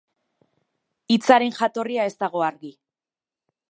Hitzaren jatorria ez dago argi.